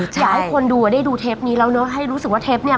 อยากให้คนดูอ่ะได้ดูเทปนี้แล้วเนอะให้รู้สึกว่าเทปเนี่ย